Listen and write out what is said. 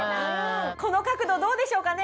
この角度どうでしょうかね？